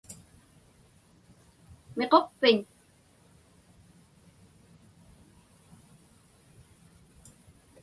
Miquqpiñ?